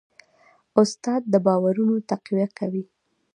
استاد د باورونو تقویه کوي.